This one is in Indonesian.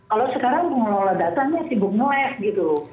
kalau sekarang pengelola datanya sibuk melewati gitu